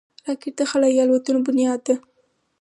راکټ د خلایي الوتنو بنیاد ده